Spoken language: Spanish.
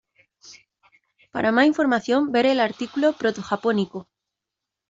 Para más información ver el artículo Proto-japónico.